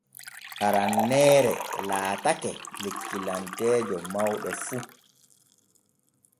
Aranneere laatake lekkilanteejo mawɗo fu.